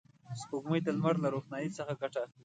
سپوږمۍ د لمر له روښنایي څخه ګټه اخلي